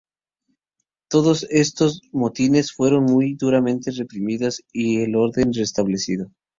Todas estos motines fueron muy duramente reprimidas y el orden restablecido.